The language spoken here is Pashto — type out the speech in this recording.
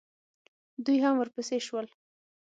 دوئ هم ورپسې شول.